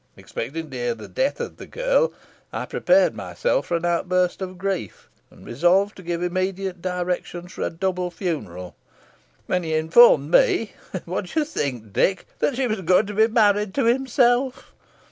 Expecting to hear of the death of the girl, I prepared myself for an outburst of grief, and resolved to give immediate directions for a double funeral, when he informed me what do you think, Dick? that she was going to be married to himself.